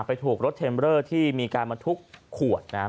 ถูกรถเทมเลอร์ที่มีการบรรทุกขวดนะครับ